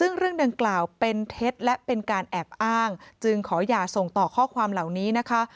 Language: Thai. ซึ่งเรื่องดังกล่าวเป็นเท็จและเป็นการแอบอ้างจึงขออย่าส่งต่อข้อความเหล่านี้นะคะ